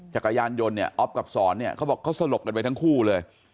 จักรยานยนต์เนี่ยอ๊อฟกับสอนเนี่ยเขาบอกเขาสลบกันไปทั้งคู่เลย